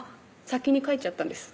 先に帰っちゃったんです